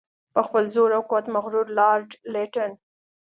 په خپل زور او قوت مغرور لارډ لیټن.